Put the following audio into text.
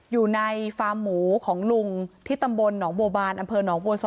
อยู่ในฟาร์มหมูของลุงที่ตำบลหนองบัวบานอำเภอหนองบัวโซ